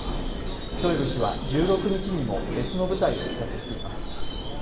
ショイグ氏は１６日にも別の部隊を視察しています。